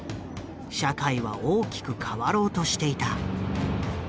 社会は大きく変わろうとしていた。